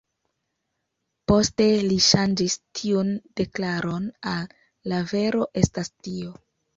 Poste li ŝanĝis tiun deklaron al "la vero estas Dio".